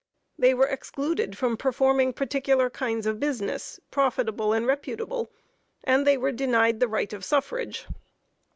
They were excluded from performing particular kinds of business, profitable and reputable, and they were denied the right of suffrage.